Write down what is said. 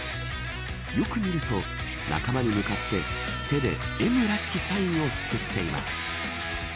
よく見ると、仲間に向かって手でＭらしきサインを作っています。